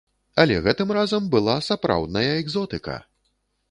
Але гэтым разам была сапраўдная экзотыка!